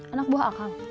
anak buah akang